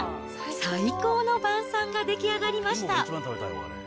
最高の晩さんが出来上がりました。